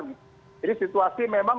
jadi situasi memang